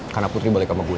karena putri balik sama gue